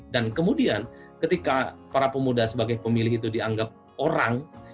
dan kemudian ketika para pemuda sebagai pemilih itu dianggap orang